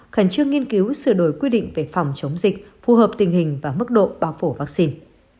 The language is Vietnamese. khẩn trương nghiên cứu sửa đổi quy định về phòng chống dịch phù hợp tình hình và mức độ bảo vệ vắc xin